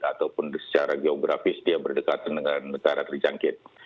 ataupun secara geografis dia berdekatan dengan negara terjangkit